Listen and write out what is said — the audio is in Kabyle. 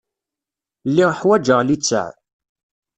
Lliɣ ḥwaǧeɣ littseɛ.